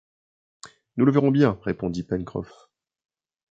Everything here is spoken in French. Nous le verrons bien, répondit Pencroff.